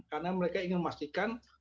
karena mereka ingin memastikan